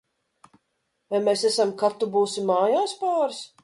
"Vai mēs esam "kad tu būsi mājās" pāris?"